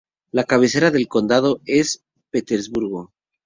La cabecera del condado es Petersburg.